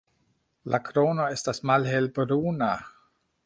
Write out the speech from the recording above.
La krono estas malhelbruna.